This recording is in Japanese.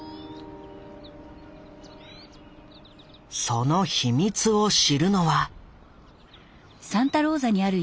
その秘密を知るのは。